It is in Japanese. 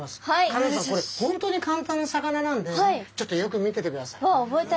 香音さんこれ本当に簡単な魚なんでちょっとよく見ててください。